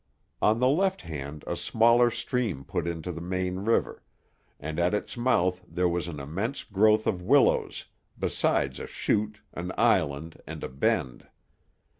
On the left hand a smaller stream put into the main river, and at its mouth there was an immense growth of willows, besides a chute, an island, and a bend.